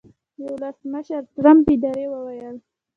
د ولسمشرټرمپ ادارې وویل